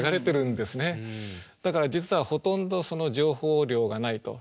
だから実はほとんど情報量がないと。